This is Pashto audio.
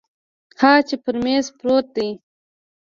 ها چې پر میز پروت دی